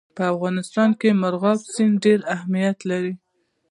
په افغانستان کې مورغاب سیند ډېر اهمیت لري.